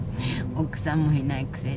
奥さんもいないくせに。